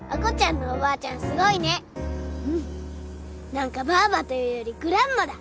何かばあばというよりグランマだ。